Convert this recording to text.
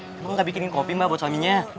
aku nggak bikinin kopi mbak buat suaminya